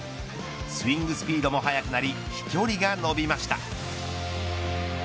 スイングスピードも速くなり飛距離が伸びました。